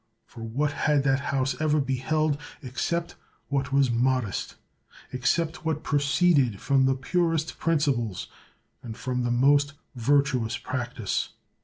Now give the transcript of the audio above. For what had that house ever beheld except what was modest, except what proceeded from the purest principles and from the most virtuous practise.